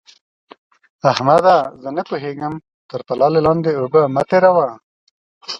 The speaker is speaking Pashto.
احمده! زه پوهېږم؛ تر پلالې لاندې اوبه مه تېروه.